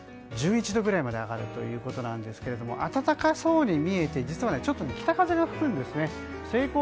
１１度くらいまで上がるということですが暖かそうに見えて実はちょっと北風が吹くんですね。